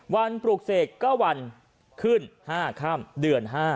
วันปรุกเศษก็วันขึ้น๕ค่ำเดือน๕